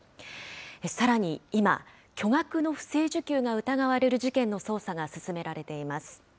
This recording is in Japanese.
さらに今、巨額の不正受給が疑われる事件の捜査が進められています。